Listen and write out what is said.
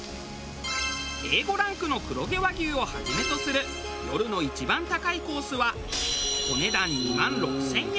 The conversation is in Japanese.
Ａ５ランクの黒毛和牛をはじめとする夜の一番高いコースはお値段２万６０００円。